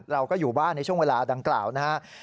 เราก็อยู่บ้านในช่วงเวลาดังกล่าวนะครับ